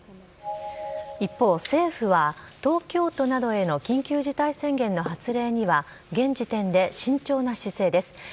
一方、政府は、東京都などへの緊急事態宣言の発令には、現時点で慎重な姿勢です。